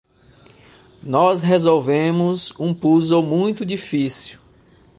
Nós resolvemos um puzzle muito difícil.